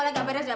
mak apa sih mak